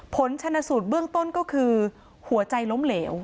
ผลชนสูตรเบื้องต้นก็คือหัวใจล้มเหลว